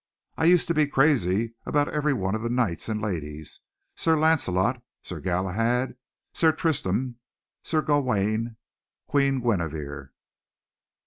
"I used to be crazy about every one of the Knights and Ladies Sir Launcelot, Sir Galahad, Sir Tristram, Sir Gawaine, Queen Guinevere."